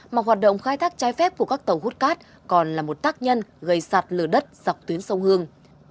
mà hoạt động khai thác trái phép của các tàu hút cát còn là một tác nhân gây sạt lở đất dọc tuyến sông hương